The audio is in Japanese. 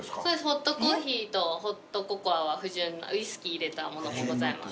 ホットコーヒーとホットココアは不純ウイスキー入れたものもございます。